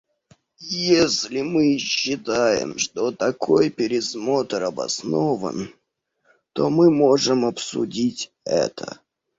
Если мы считаем, что такой пересмотр обоснован, то мы можем обсудить это.